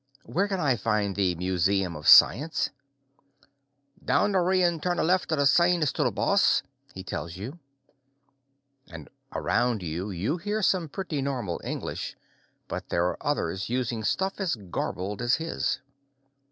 "Where can I find the Museum of Science?" "Downayer rien turn lefa the sign. Stoo bloss," he tells you. Around you, you hear some pretty normal English, but there are others using stuff as garbled as his.